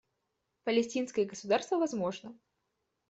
Палестинское государство возможно.